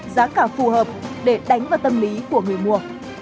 giá cả phù hợp để đánh vào tâm lý của người mua